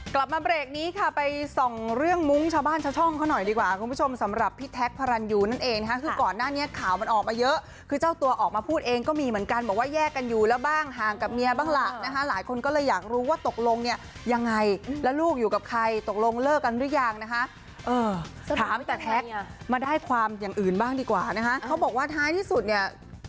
กลับมาเบรกนี้ค่ะไปส่องเรื่องมุ้งชาวบ้านชาวช่องเขาหน่อยดีกว่าคุณผู้ชมสำหรับพี่แท็กพรรณยูนั่นเองค่ะคือก่อนหน้านี้ข่าวมันออกมาเยอะคือเจ้าตัวออกมาพูดเองก็มีเหมือนกันบอกว่าแยกกันอยู่แล้วบ้างห่างกับเมียบ้างหลักนะคะหลายคนก็เลยอยากรู้ว่าตกลงเนี่ยยังไงแล้วลูกอยู่กับใครตกลงเลิกกันหรือย